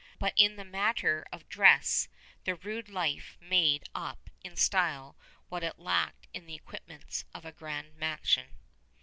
But in the matter of dress the rude life made up in style what it lacked in the equipments of a grand mansion.